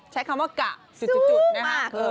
ใช้คำว่ากะจุดนะฮะ